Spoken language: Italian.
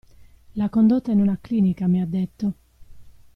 L'ha condotta in una clinica, mi ha detto.